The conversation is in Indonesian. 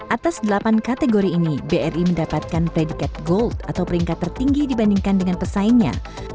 atas delapan kategori ini bri mendapatkan predikat gold atau peringkat tertinggi dibandingkan dengan pesaingnya